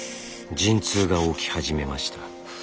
陣痛が起き始めました。